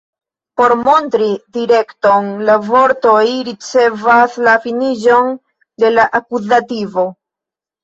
Por montri direkton, la vortoj ricevas la finiĝon de la akuzativo.